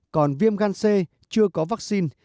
còn viêm gan c chưa có vaccine